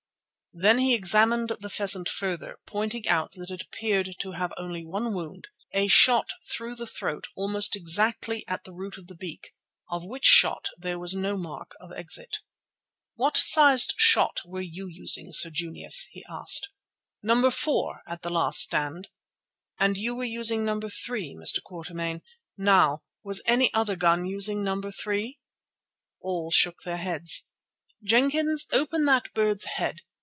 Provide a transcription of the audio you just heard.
Then he examined the pheasant further, pointing out that it appeared to have only one wound—a shot through the throat almost exactly at the root of the beak, of which shot there was no mark of exit. "What sized shot were you using, Sir Junius?" he asked. "No. 4 at the last stand." "And you were using No. 3, Mr. Quatermain. Now, was any other gun using No. 3?" All shook their heads. "Jenkins, open that bird's head.